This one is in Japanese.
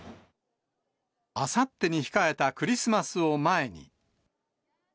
あさってに控えたクリスマスを前に。